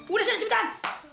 udah sudah cepetan